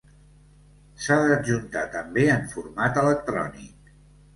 S'ha d'adjuntar també en format electrònic.